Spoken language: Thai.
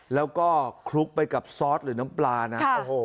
แล้วก็คลุกไปกับซอสหรือน้ำปลานะโอ้โห